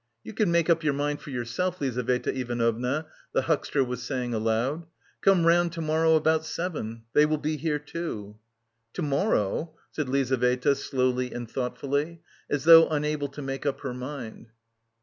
"You could make up your mind for yourself, Lizaveta Ivanovna," the huckster was saying aloud. "Come round to morrow about seven. They will be here too." "To morrow?" said Lizaveta slowly and thoughtfully, as though unable to make up her mind.